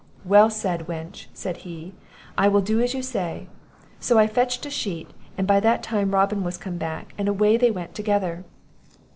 'Well said, wench!' said he; 'I will do as you say.' So I fetched a sheet, and by that time Robin was come back, and away they went together.